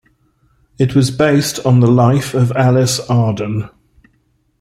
It was based on the life of Alice Arden.